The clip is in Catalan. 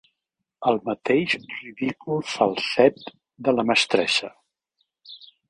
El mateix ridícul falset de la mestressa.